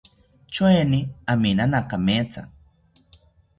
Choeni aminana kametha